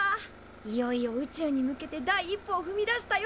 いよいよ宇宙に向けて第一歩をふみ出したよ